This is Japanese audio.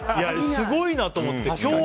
すごいなと思って。